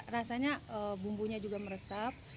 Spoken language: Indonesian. rasanya bumbunya juga meresap